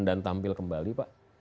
dan tampil kembali pak